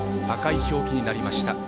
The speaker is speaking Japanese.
赤い表記になりました